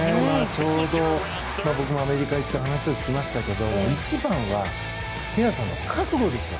ちょうど僕もアメリカに行って話を聞きましたけど一番は、誠也さんの覚悟ですよ。